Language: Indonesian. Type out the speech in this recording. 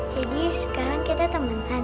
jadi sekarang kita temenan